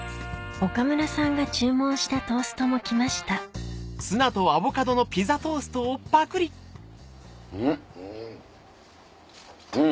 岡村さんが注文したトーストも来ましたうん！